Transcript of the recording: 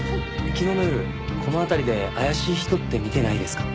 昨日の夜この辺りで怪しい人って見てないですか？